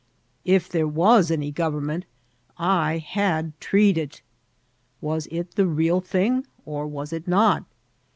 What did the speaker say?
If there was any government, I had treed it. Was it the real thing or was it not